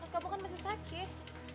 kamu kan masih sakit